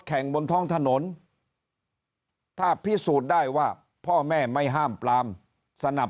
บนท้องถนนถ้าพิสูจน์ได้ว่าพ่อแม่ไม่ห้ามปลามสนับ